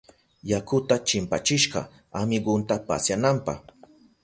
Yakuta chimpachishka amigunta pasyananpa.